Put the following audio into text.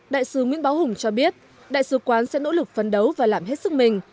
đại sứ nguyễn báo hùng cho biết đại sứ quán sẽ nỗ lực phấn đấu và làm hết sức mình